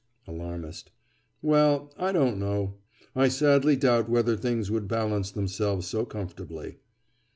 ALARMIST: Well, I don't know. I sadly doubt whether things would balance themselves so comfortably.